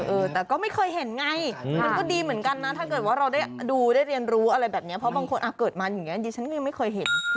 เออแต่ก็ไม่เคยเห็นไงมันก็ดีเหมือนกันนะถ้าเกิดว่าเราได้ดูได้เรียนรู้อะไรแบบนี้เพราะบางคนเกิดมาอย่างนี้ดิฉันยังไม่เคยเห็น